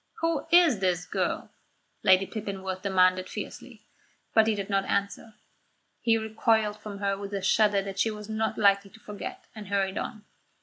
"Who is this girl?" Lady Pippinworth demanded fiercely; but he did not answer. He recoiled from her with a shudder that she was not likely to forget, and hurried on.